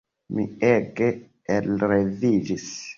Mi ege elreviĝis.